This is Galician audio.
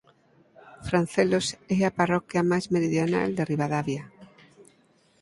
Francelos é a parroquia máis meridional de Ribadavia.